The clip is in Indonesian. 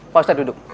pak ustadz duduk